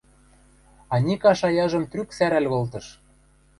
– Аника шаяжым трӱк сӓрӓл колтыш.